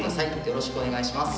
よろしくお願いします。